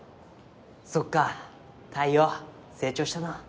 そっか太陽成長したな。